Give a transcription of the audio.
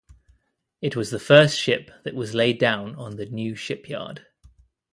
It was the first ship that was laid down on the new shipyard.